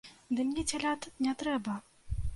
Ды мне цялят не трэба!